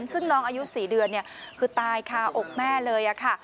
ซึ่งน้องอายุ๔เดือนคือตายคาอกแม่เลยค่ะ